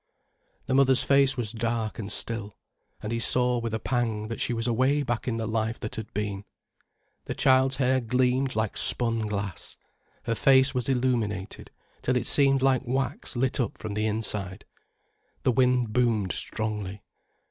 The mother's face was dark and still, and he saw, with a pang, that she was away back in the life that had been. The child's hair gleamed like spun glass, her face was illuminated till it seemed like wax lit up from the inside. The wind boomed strongly.